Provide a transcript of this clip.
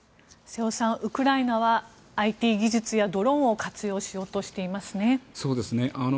瀬尾さん、ウクライナはＩＴ技術やドローンを活用しようとしていますね。